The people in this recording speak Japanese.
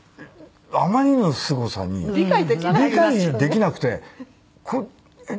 あまりのすごさに理解できなくて「これえっ」。